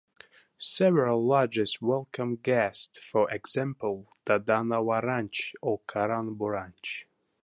Several Lodges welcome guests, for example Dadanawa Ranch or Karanabo ranch.